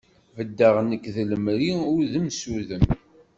Beddeɣ nekk d lemri udem s udem.